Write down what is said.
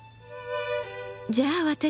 じゃあ私